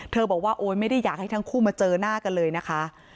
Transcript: บอกว่าโอ๊ยไม่ได้อยากให้ทั้งคู่มาเจอหน้ากันเลยนะคะ